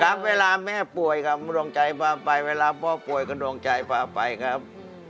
เวลาแม่ป่วยครับดวงใจพาไปเวลาพ่อป่วยก็ดวงใจพาไปครับ